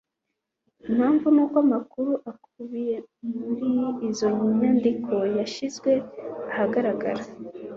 impamvu nuko amakuru akubiye muri izo nyandiko yashyizwe ahagaragara